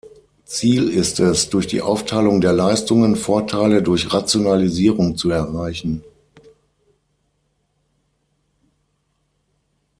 Ziel ist es, durch die Aufteilung der Leistungen Vorteile durch Rationalisierung zu erreichen.